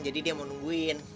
jadi dia mau nungguin